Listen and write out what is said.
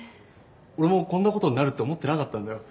俺もこんなことになるって思ってなかったんだよ。